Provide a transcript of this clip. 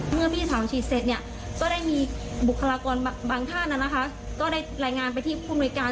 เมื่อพี่สาวฉีดเสร็จก็ได้มีบุคลากรบางท่านก็ได้แหล่งงานไปที่ภูมิการ